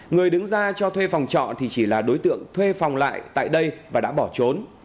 người đứng ra cho thuê phòng trọ thì chỉ là đối tượng thuê phòng lại tại đây và đã bỏ trốn